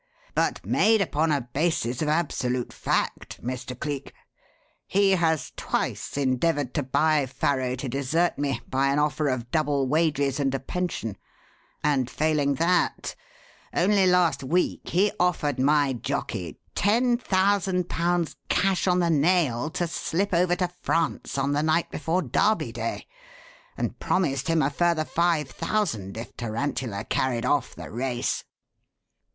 "But made upon a basis of absolute fact, Mr. Cleek. He has twice endeavoured to buy Farrow to desert me by an offer of double wages and a pension; and, failing that, only last week he offered my jockey £10,000 cash on the nail to slip off over to France on the night before Derby Day, and promised him a further five thousand if Tarantula carried off the race."